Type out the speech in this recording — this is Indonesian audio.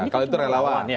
kalau itu relawan